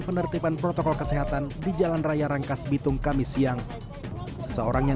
penertiban protokol kesehatan di jalan raya rangkas bitung kami siang seseorang yang